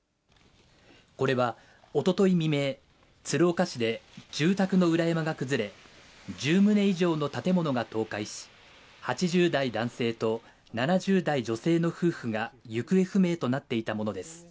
これはおととい未明、鶴岡市で住宅の裏山が崩れ、１０棟以上の建物が倒壊し、８０代男性と７０代女性の夫婦が行方不明となっていたものです。